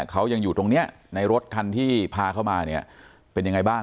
เขายังอยู่ตรงนี้ในรถคันที่พาเขามาเนี่ยเป็นยังไงบ้าง